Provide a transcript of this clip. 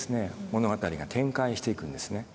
物語が展開していくんですね。